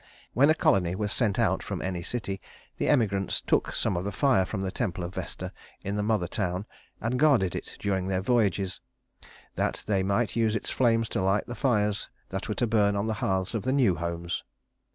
When a colony was sent out from any city, the emigrants took some of the fire from the temple of Vesta in the mother town, and guarded it during their voyages, that they might use its flames to light the fires that were to burn on the hearths of the new homes.